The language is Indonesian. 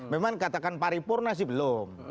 memang katakan paripurna sih belum